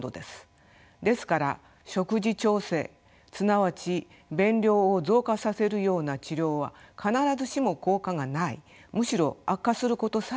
ですから食事調整すなわち便量を増加させるような治療は必ずしも効果がないむしろ悪化することさえあります。